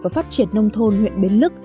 và phát triển nông thôn huyện bến lức